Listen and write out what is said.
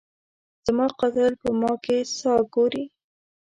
زما قاتل په ما کي ساه ګوري